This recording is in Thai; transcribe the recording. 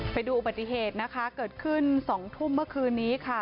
ไปดูอุบัติเหตุนะคะเกิดขึ้น๒ทุ่มเมื่อคืนนี้ค่ะ